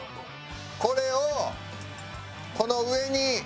これをこの上に。